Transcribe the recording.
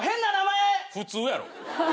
普通やろ。